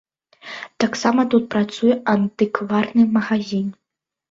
Таксама тут працуе антыкварны магазін.